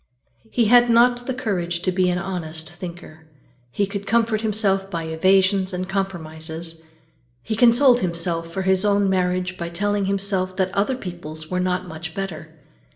He had not the courage to be an honest thinker. He could comfort himself by evasions and compromises. He consoled himself for his own marriage by telling himself that other people's were not much better.